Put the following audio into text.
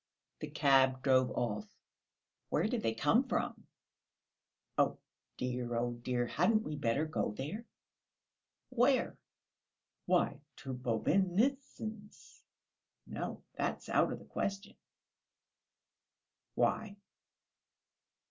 The cab drove off. "Where did they come from?" "Oh, dear, oh, dear! Hadn't we better go there?" "Where?" "Why, to Bobynitsyn's...." "No, that's out of the question." "Why?"